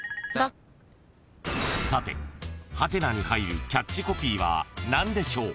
［さてハテナに入るキャッチコピーは何でしょう？］